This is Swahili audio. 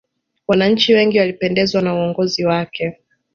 wananchi wengi walipendezwa na uongozi wake